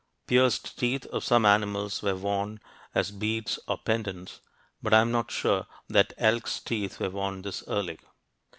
Pierced teeth of some animals were worn as beads or pendants, but I am not sure that elks' teeth were worn this early.